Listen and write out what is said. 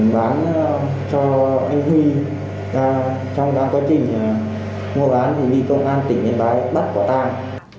bán cho anh huy trong quá trình mua bán vì công an tỉnh yên bái bắt quả tang